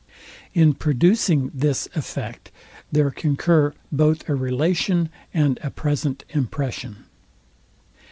In producing this effect there concur both a relation and a present impression.